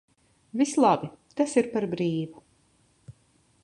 Viss labi, tas ir par brīvu.